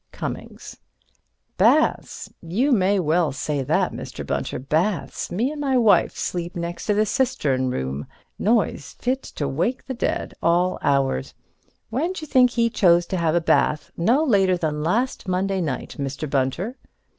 Cummings: Baths? You may well say that, Mr. Bunter. Baths? Me and my wife sleep next to the cistern room. Noise fit to wake the dead. All hours. When d'you think he chose to have a bath, no later than last Monday night, Mr. Bunter?